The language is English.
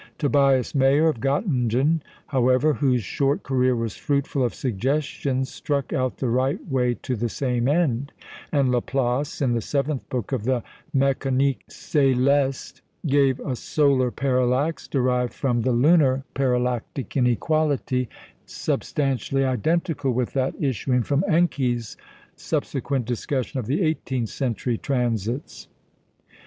Tobias Mayer of Göttingen, however, whose short career was fruitful of suggestions, struck out the right way to the same end; and Laplace, in the seventh book of the Mécanique Céleste, gave a solar parallax derived from the lunar "parallactic inequality" substantially identical with that issuing from Encke's subsequent discussion of the eighteenth century transits.